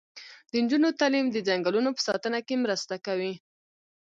د نجونو تعلیم د ځنګلونو په ساتنه کې مرسته کوي.